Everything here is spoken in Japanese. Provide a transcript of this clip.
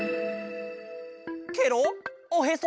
ケロッおへそ？